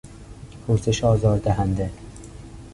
پرسش آزار دهنده